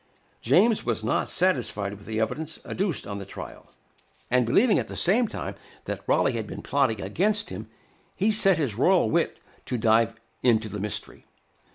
James was not satisfied with the evidence adduced on the trial; and believing at the same time that Raleigh had been plotting against him, he set his royal wit to dive into the mystery.